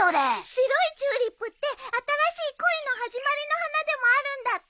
白いチューリップって新しい恋の始まりの花でもあるんだって。